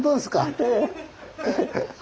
ええ。